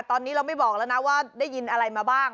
ตอนนี้เราไม่บอกแล้วนะว่าได้ยินอะไรมาบ้าง